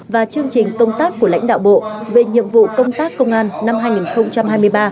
và chương trình công tác của lãnh đạo bộ về nhiệm vụ công tác công an năm hai nghìn hai mươi ba